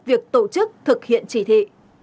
việc tổ chức thực hiện chỉ thị